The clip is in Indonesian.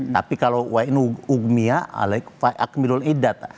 tapi kalau wa in u mia alaik fa akmilul iddat